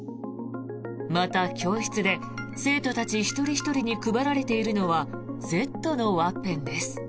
また、教室で生徒たち一人ひとりに配られているのは「Ｚ」のワッペンです。